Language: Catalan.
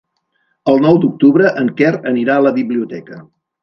El nou d'octubre en Quer anirà a la biblioteca.